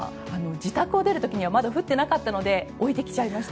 自宅を出る時にはまだ降っていなかったので置いてきちゃいました。